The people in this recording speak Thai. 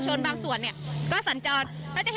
คุณภาคภูมิพยายามอยู่ในจุดที่ปลอดภัยด้วยนะคะ